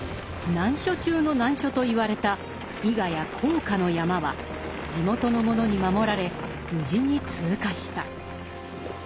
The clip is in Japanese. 難所中の難所と言われた伊賀や甲賀の山は地元の者に守られ無事に通過した。